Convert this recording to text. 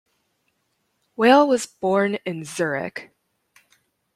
Weil was born in Zurich.